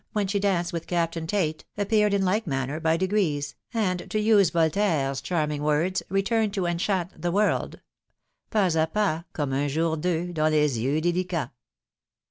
when she danced with Captain Tate, appeared in Kke manner by de grees, and, to use Voltaire's charming words, returned to enchant the world Pas k pas, Comme un Jour doux, dans les yeux d^licants.